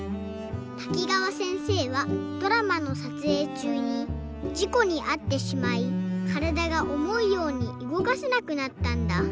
滝川せんせいはドラマのさつえいちゅうにじこにあってしまいからだがおもうようにうごかせなくなったんだ。